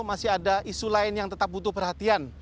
masih ada isu lain yang tetap butuh perhatian